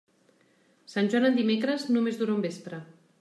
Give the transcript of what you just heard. Sant Joan en dimecres, només dura un vespre.